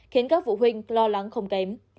khiến các phụ huynh lo lắng không kém